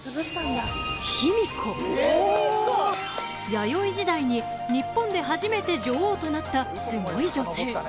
［弥生時代に日本で初めて女王となったスゴい女性］